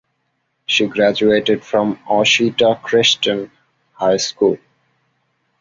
She graduated from Ouachita Christian High School.